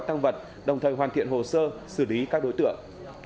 tăng vật đồng thời hoàn thiện hồ sơ xử lý các đối tượng